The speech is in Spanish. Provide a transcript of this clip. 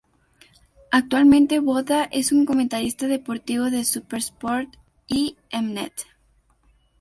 Actualmente Botha es un comentarista deportivo de SuperSport y M-Net.